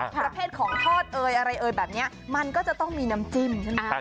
ประเภทของทอดเอ่ยอะไรเอ่ยแบบนี้มันก็จะต้องมีน้ำจิ้มใช่ไหม